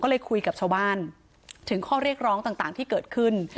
ก็เลยคุยกับชาวบ้านถึงข้อเรียกร้องต่างที่เกิดขึ้น